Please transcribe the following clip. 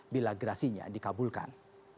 bila gerasinya dikabulkan